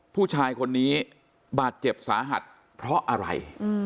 ผู้ชายคนนี้บาดเจ็บสาหัสเพราะอะไร